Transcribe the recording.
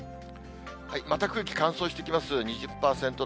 また空気乾燥してきます。